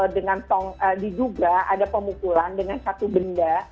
dengan tong diduga ada pemukulan dengan satu benda